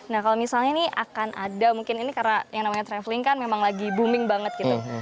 nah kalau misalnya ini akan ada mungkin ini karena yang namanya traveling kan memang lagi booming banget gitu